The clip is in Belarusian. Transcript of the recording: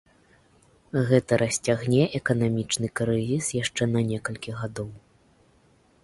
Гэта расцягне эканамічны крызіс яшчэ на некалькі гадоў.